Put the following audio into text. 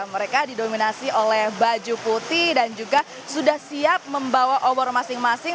mereka didominasi oleh baju putih dan juga sudah siap membawa obor masing masing